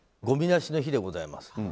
ごみ出しの日でございます。